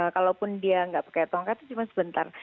kalaupun dia nggak pakai tongkat itu cuma sebentar